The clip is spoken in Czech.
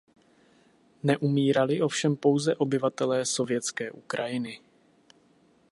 Neumírali ovšem pouze obyvatelé sovětské Ukrajiny.